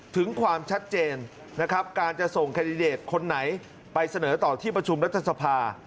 ถึงความชัดเจนนะครับการจะส่งแคนดิเดตคนไหนไปเสนอต่อที่ประชุมรัฐสภา